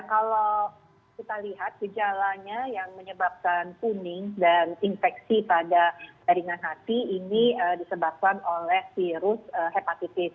kalau kita lihat gejalanya yang menyebabkan kuning dan infeksi pada ringan hati ini disebabkan oleh virus hepatitis